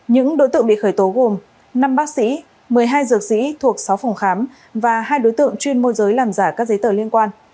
những đối tượng bị khởi tố gồm năm bác sĩ một mươi hai dược sĩ thuộc sáu phòng khám và hai đối tượng chuyên môi giới làm giả các giấy tờ liên quan